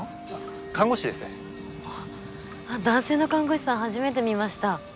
看護師です男性の看護師さん初めて見ました